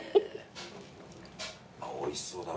おいしそうだな。